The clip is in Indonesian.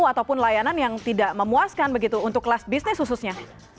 ataupun layanan yang tidak memuaskan begitu untuk kelas bisnis khususnya